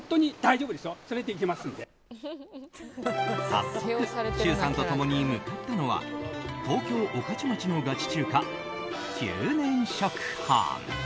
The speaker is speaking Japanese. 早速、周さんと共に向かったのは東京・御徒町のガチ中華九年食班。